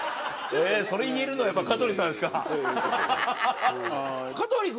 それ言えるのやっぱ香取さんしか。